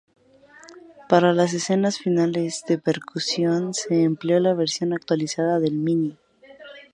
Para las escenas finales de persecución se empleó la versión actualizada del Mini.